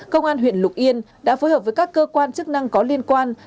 công an huyện lục yên đã phối hợp với các cơ quan chức năng có liên quan